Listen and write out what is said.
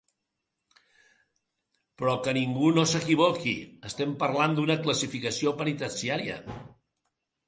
Però que ningú no s’equivoqui: estem parlant d’una classificació penitenciària.